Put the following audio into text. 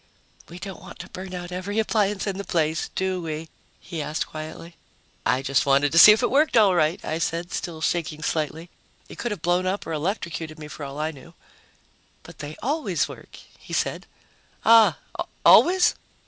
"We don't want to burn out every appliance in the place, do we?" he asked quietly. "I just wanted to see if it worked all right," I said, still shaking slightly. It could have blown up or electrocuted me, for all I knew. "But they always work," he said. "Ah always?"